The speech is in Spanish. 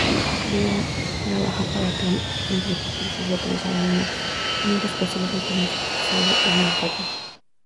Billy trabaja para Clamp Enterprises, localizada en un rascacielos automatizado en Manhattan.